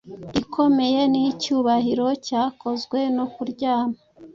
Ikomeye nicyubahiro cyakozwe, no kuryama